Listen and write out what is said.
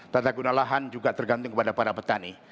tata guna lahan juga tergantung kepada para petani